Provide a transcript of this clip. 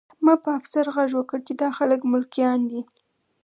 ما په افسر غږ وکړ چې دا خلک ملکیان دي